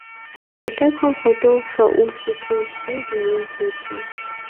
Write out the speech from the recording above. Шылъэгухэм хуэдэу фэ ӏув зытелъ зыри дунейм теткъым.